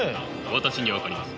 私には分かります。